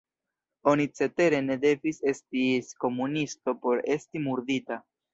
Oni cetere ne devis estis komunisto por esti murdita.